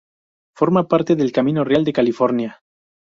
Forma parte del Camino Real de California.